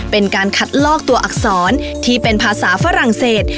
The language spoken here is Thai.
เป็นการคัดลอกตัวอักษรที่เป็นภาษาฝรั่งเศส